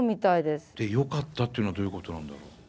でよかったっていうのはどういうことなんだろう？